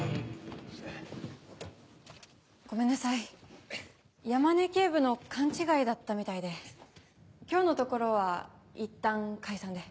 ごめんなさい山根警部の勘違いだったみたいで今日のところはいったん解散で。